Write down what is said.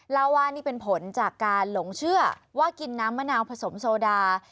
เล่าว่านี่เป็นผลจากการหลงเชื่อว่ากินน้ำมะนาวผสมโซดา